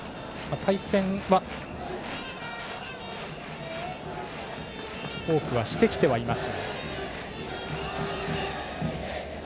対戦は多くはしてきてはいます。